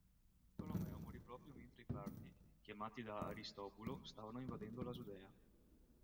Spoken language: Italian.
Tolomeo morì proprio mentre i Parti, chiamati da Aristobulo, stavano invadendo la Giudea.